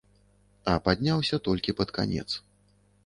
А падняўся толькі пад канец.